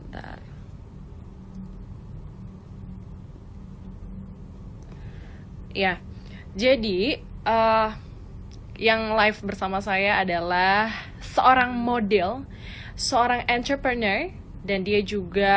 hai ya jadi ah yang live bersama saya adalah seorang model seorang entrepreneur dan dia juga